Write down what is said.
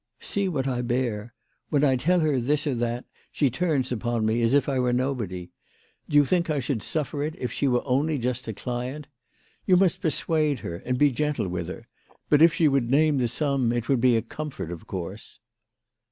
See what I bear. "When I tell her this or that she turns upon me as if I were nobody. Do you think I should suffer it if she were only just a client ? You must per suade her, and be gentle with her ; but if she would name the sum it would be a comfort, of course."